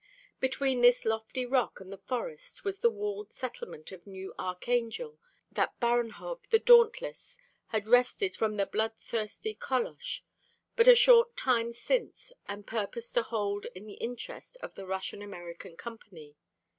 Between this lofty rock and the forest was the walled settlement of New Archangel, that Baranhov, the dauntless, had wrested from the bloodthirsty Kolosh but a short time since and purposed to hold in the interest of the Russian American Company.